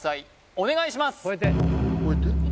お願いします